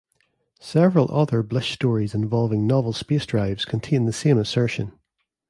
Several other Blish stories involving novel space drives contain the same assertion.